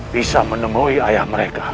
bisa menemui ayah mereka